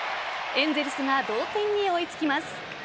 エンゼルスが同点に追いつきます。